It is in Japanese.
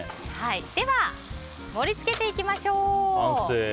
では、盛り付けていきましょう。